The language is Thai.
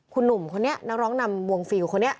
คุณหนุ่มคนนี้นักร้องนำวงฟิลคนนี้